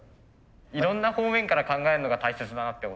いろんな方面から考えるのが大切だなってことが。